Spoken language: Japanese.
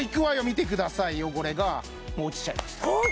見てください汚れがもう落ちちゃいました